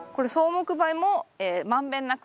木灰も満遍なく？